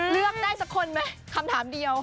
เลือกได้สักคนไหมคำถามเดียว